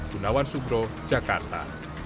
gunawan subro jakarta